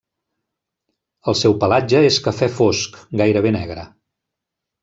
El seu pelatge és cafè fosc, gairebé negre.